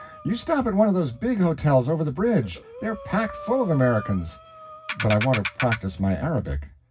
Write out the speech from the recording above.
You stop at one of those big hotels over the bridge they're packed full of Americans." "But I want to practice my Arabic."